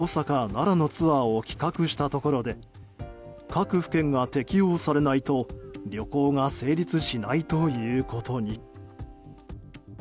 例えば、旅行会社も京都、大阪、奈良のツアーを企画したところで各府県が適用されないと旅行が成立しないということに。